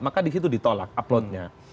maka di situ ditolak uploadnya